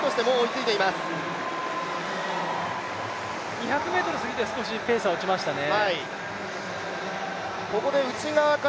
２００ｍ過ぎて少しペースは落ちましたね。